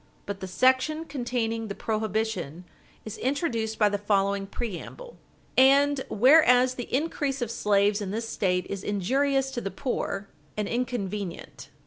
But the section containing the prohibition is introduced by the following preamble: "And whereas the increase of slaves in this State is injurious to the poor, and inconvenient."